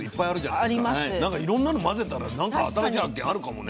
なんかいろんなの混ぜたら何か新しい発見あるかもね。